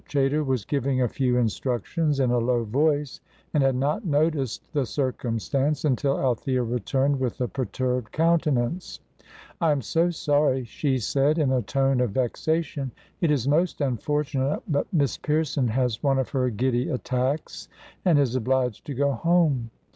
Chaytor was giving a few instructions in a low voice, and had not noticed the circumstance until Althea returned with a perturbed countenance. "I am so sorry," she said, in a tone of vexation; "it is most unfortunate, but Miss Pierson has one of her giddy attacks, and is obliged to go home.